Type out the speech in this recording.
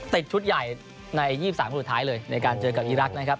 ติดชุดใหญ่ใน๒๓คนสุดท้ายเลยในการเจอกับอีรักษ์นะครับ